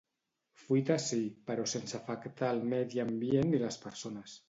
Fuita sí, però sense afectar el medi ambient ni les persones.